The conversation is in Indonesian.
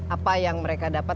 apa yang mereka dapat